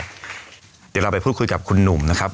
เดี๋ยวเราไปพูดคุยกับคุณหนุ่มนะครับ